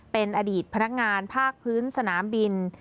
เป็นอดีตพนักงานภาคพื้นสนามบิน